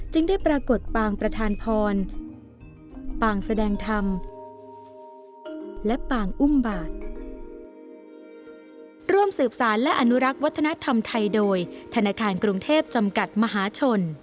จึงได้ปรากฏปางประธานพรปางแสดงธรรมและปางอุ้มบาท